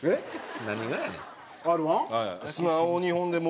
何がやねん？